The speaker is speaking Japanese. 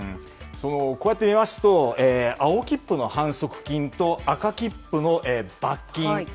こうやってみますと青切符の反則金と赤切符の罰金。